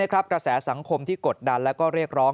กระแสสังคมที่กดดันและเรียกร้อง